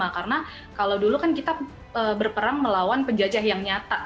karena kalau dulu kan kita berperang melawan penjajah yang nyata